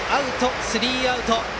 スリーアウト。